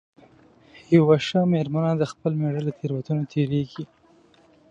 یوه ښه مېرمنه د خپل مېړه له تېروتنو تېرېږي.